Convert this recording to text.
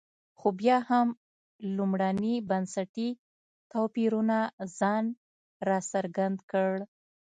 خو بیا هم لومړني بنسټي توپیرونو ځان راڅرګند کړ.